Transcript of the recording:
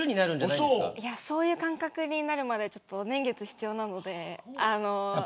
そういう感覚になるまで年月が必要なので。